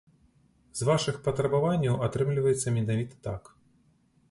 З вашых патрабаванняў атрымліваецца менавіта так.